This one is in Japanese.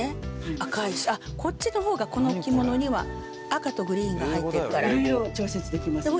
赤いしあっこっちのほうがこの着物には赤とグリーンが入ってるからいろいろ調節できますね